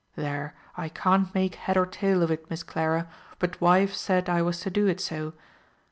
"There, I can't make head or tail of it, Miss Clara, but wife said I was to do it so.